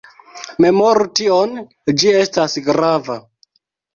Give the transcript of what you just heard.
Memoru tion, ĝi estas grava.